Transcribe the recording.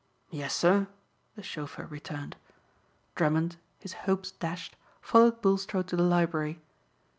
"Yes, sir," the chauffeur returned. Drummond, his hopes dashed, followed Bulstrode to the library.